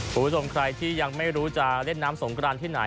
คุณผู้ชมใครที่ยังไม่รู้จะเล่นน้ำสงกรานที่ไหน